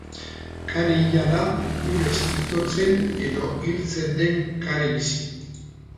Kare hila da, urez itotzen edo hiltzen den kare bizi.